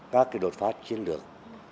các đột phát chiến lược